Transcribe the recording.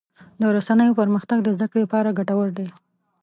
د رسنیو پرمختګ د زدهکړې لپاره ګټور دی.